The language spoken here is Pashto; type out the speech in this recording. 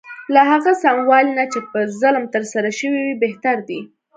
له هغه سموالي نه چې په ظلم ترسره شوی وي بهتر دی.